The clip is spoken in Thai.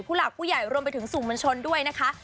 ผู้หลักและผู้ใหญ่รวมไปถึงสูงบัญชนด้วยนะค่ะ